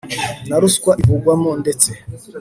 na ruswa ivugwamo ndetse